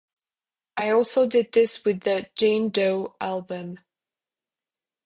"I also did this with the "Jane Doe" album.